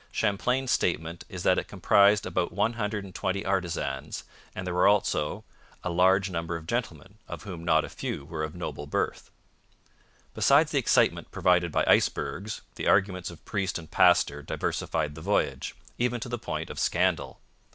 Champlain's statement is that it comprised about one hundred and twenty artisans, and there were also 'a large number of gentlemen, of whom not a few were of noble birth.' Besides the excitement provided by icebergs, the arguments of priest and pastor diversified the voyage, even to the point of scandal.